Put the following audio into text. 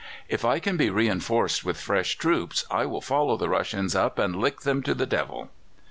"If I can be reinforced with fresh troops, I will follow the Russians up and lick them to the devil."